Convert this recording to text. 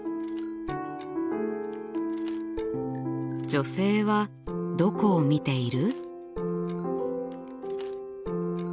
女性はどこを見ている？